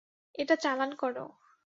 এটা চালান করো!